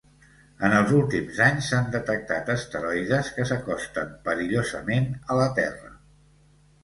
En els últims anys s'han detectat asteroides que s'acosten perillosament a la Terra.